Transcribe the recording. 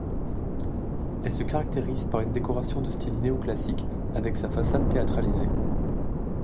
Elle se caractérise par une décoration de style néo-classique, avec sa façade théâtralisée.